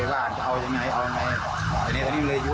ว่าจะคุยกันมาซั่วเลย